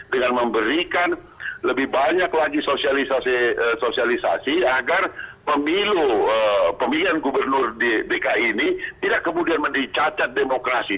dengan memberikan lebih banyak lagi sosialisasi agar pemilu pemilihan gubernur dki ini tidak kemudian mendicacat demokrasi